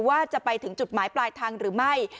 ว่าจะไปถึงจุดหมายปลายทางหรือไม่